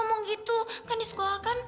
emang gitu kan di sekolah kan